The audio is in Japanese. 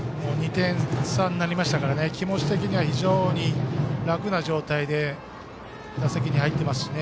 ２点差になりましたから気持ち的には非常に楽な状態で打席に入っていますしね。